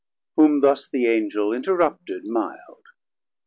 Whom thus the Angel interrupted milde.